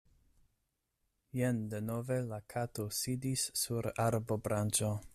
Jen denove la Kato sidis sur arbobranĉo.